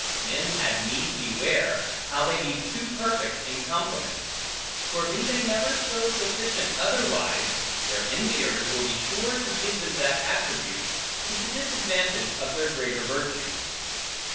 Men had need beware, how they be too perfect in compliments; for be they never so sufficient otherwise, their enviers will be sure to give them that attribute, to the disadvantage of their greater virtues.